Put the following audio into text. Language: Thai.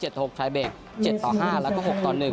๗ต่อ๖คลายเบรก๗ต่อ๕แล้วก็๖ต่อ๑